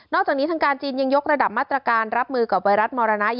นอกจากนี้ทางการจีนยังยกระดับมาตรการรับมือกับโมรันาอย่างเข้มข้นมากขึ้น